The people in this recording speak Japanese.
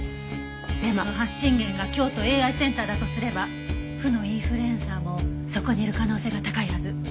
デマの発信源が京都ＡＩセンターだとすれば負のインフルエンサーもそこにいる可能性が高いはず。